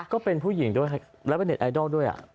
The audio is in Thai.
ก็เป็นผู้หญิงด้วยแล้วเป็นเน็ตไอดอลด้วย